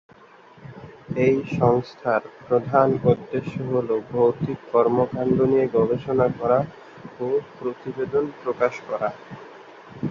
এই সংস্থার প্রধান উদ্দেশ্য হলো ভৌতিক কর্মকাণ্ড নিয়ে গবেষণা করা ও প্রতিবেদন প্রকাশ করা।